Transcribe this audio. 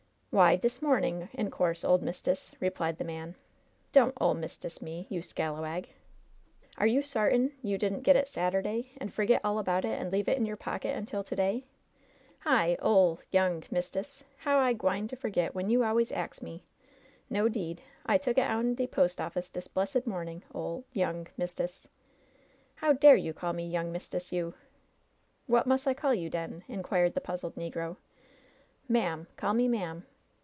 "W'y, dis momin', in course, ole mist'ess," replied the man. *T)on't 'ole mist'ess' me, you scalawag ! Are you sar tain you didn't get it Saturday, and forget all about it, and leave it in your pocket until to day ?" "Hi, ole — ^young — ^mist'ess, how I gwine to forget w'en you always ax me ? No, 'deed. I took it out'n da pos' oflSce dis blessed momin', ole — ^young mist'ess." "How dare you call me young mist'ess, you ^" "What mus' I call you, den?" inquired the puzzled negro. "Ma'am. Call me ma'am."